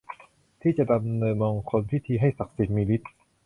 ที่จะดำเนินมงคลพิธีให้ศักดิ์สิทธิ์มีฤทธิ์